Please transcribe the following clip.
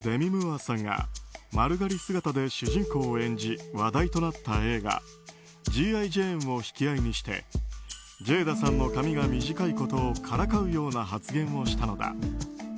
ロック氏は、かつて女優のデミ・ムーアさんが丸刈り姿で主人公を演じ話題となった映画「Ｇ．Ｉ．ジェーン」を引き合いにしてジェイダさんの髪が短いことをからかうような発言をしたのだ。